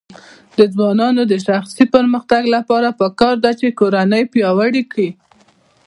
د ځوانانو د شخصي پرمختګ لپاره پکار ده چې کورنۍ پیاوړې کړي.